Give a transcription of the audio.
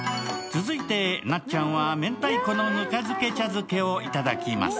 続いて、なっちゃんは明太子のぬか漬けのお茶漬けをいただきます。